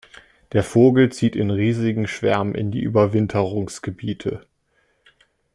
Der Vogel zieht in riesigen Schwärmen in die Überwinterungsgebiete.